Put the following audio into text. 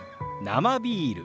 「生ビール」。